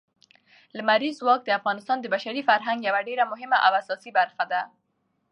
لمریز ځواک د افغانستان د بشري فرهنګ یوه ډېره مهمه او اساسي برخه ده.